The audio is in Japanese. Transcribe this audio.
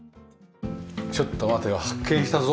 ちょっと待てよ発見したぞ。